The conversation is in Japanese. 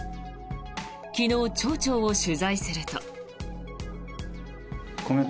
昨日、町長を取材すると。